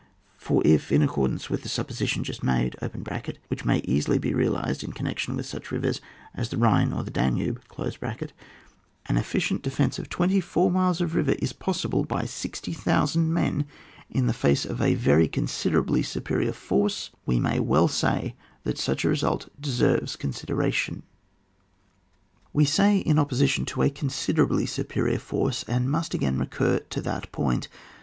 For if, in accordance with the supposition just made (which may easily be realised in connection witi^ such rivers as the Bhine or the Danube), an efficient defence of 24 miles of river is possible by 60,000 men in face of a 138 ON WAR. [book VI. very coneiderablj superior force, we may weU say that such a result deserves con sideration. We say, in opposition to a considerahlf superior forcdy and must again recur to that point.